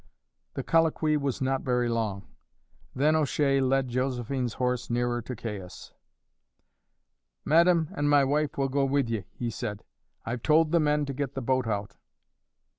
The colloquy was not very long. Then O'Shea led Josephine's horse nearer to Caius. "Madame and my wife will go with ye," he said. "I've told the men to get the boat out."